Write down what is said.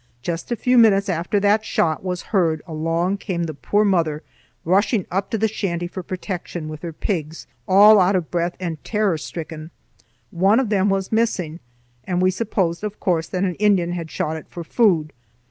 Just a few minutes after that shot was heard, along came the poor mother rushing up to the shanty for protection, with her pigs, all out of breath and terror stricken. One of them was missing, and we supposed of course that an Indian had shot it for food.